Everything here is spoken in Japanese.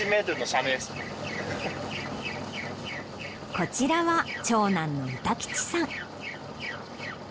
こちらは長男の歌吉さん。